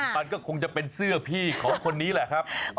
ปันก็คงจะใช่เสื้อพี่ของคนนี้แหละ